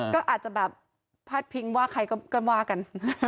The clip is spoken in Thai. ก็อาจจะแบบพาดพิงว่าใครก็ว่ากัน